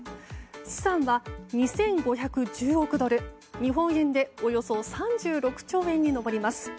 資産は２５１０億ドル日本円でおよそ３６兆円に上ります。